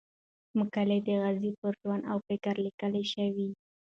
مقالې د غازي پر ژوند او فکر ليکل شوې وې.